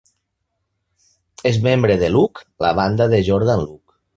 És membre de Luck, la banda de Jordan Luck.